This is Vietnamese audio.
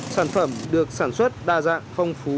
sản phẩm được sản xuất đa dạng phong phú